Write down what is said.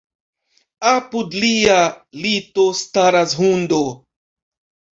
Apud lia lito staras hundo.